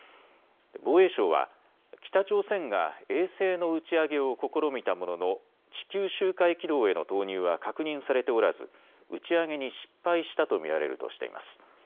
防衛省は北朝鮮が衛星の打ち上げを試みたものの地球周回軌道への投入は確認されておらず打ち上げに失敗したと見られるとしています。